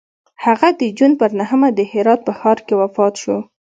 هغه د جون پر نهمه د هرات په ښار کې وفات شو.